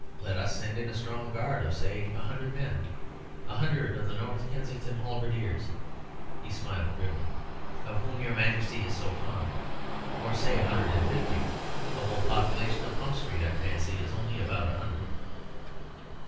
Let us send in a strong guard of, say, a hundred men a hundred of the North Kensington Halberdiers" (he smiled grimly), "of whom your Majesty is so fond. Or say a hundred and fifty. The whole population of Pump Street, I fancy, is only about a hundred."